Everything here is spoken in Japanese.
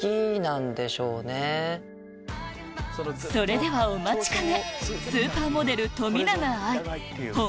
それではお待ちかね！